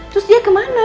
terus dia kemana